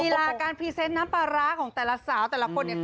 ลาการพรีเซนต์น้ำปลาร้าของแต่ละสาวแต่ละคนเนี่ย